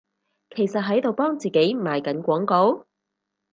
其實喺度幫自己賣緊廣告？